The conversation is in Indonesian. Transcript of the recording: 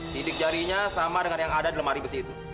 titik jarinya sama dengan yang ada di lemari besi itu